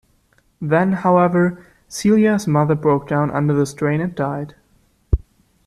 Then, however, Celia's mother broke down under the strain and died.